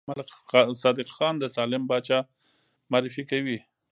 ملک صادق ځان د سالم پاچا معرفي کوي.